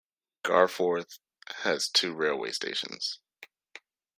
Garforth has two railway stations.